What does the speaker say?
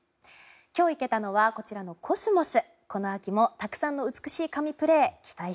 今日生けたのはこちらのコスモス。